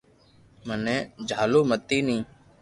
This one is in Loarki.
مني جھالو متي ني